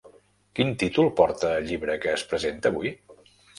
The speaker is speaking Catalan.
Quin títol porta el llibre que es presenta avui?